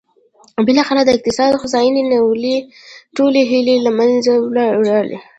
بالاخره د اقتصادي هوساینې ټولې هیلې له منځه وړي.